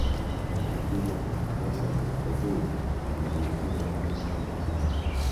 na vipimo vinaonyesha mtoto huyu ameambukizwa virusi vya ukimwi